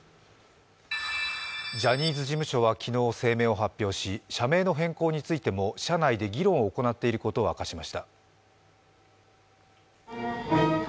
ジャニーズ事務所は昨日、声明を発表し、社名の変更についても社内で議論を行っていることを明かしました。